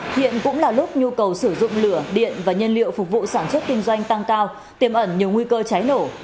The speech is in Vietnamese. hiện cũng là lúc nhu cầu sử dụng lửa điện và nhân liệu phục vụ sản xuất kinh doanh tăng cao tiềm ẩn nhiều nguy cơ cháy nổ